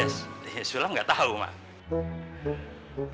eee ya sebelah nggak tau mak